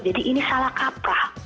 jadi ini salah kaprah